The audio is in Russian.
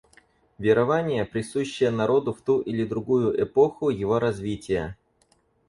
Верования, присущие народу в ту или другую эпоху его развития.